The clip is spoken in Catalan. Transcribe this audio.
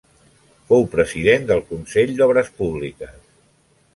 Fou president del Consell d'Obres Públiques.